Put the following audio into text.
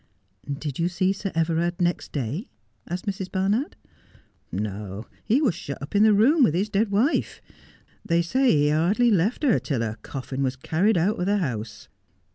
' Did you see Sir Everard next day ?' asked Mrs. Barnard. ' No, he was shut up in the room with his dead wife. They say he hardly left her till her coffin was carried out of the hou;e.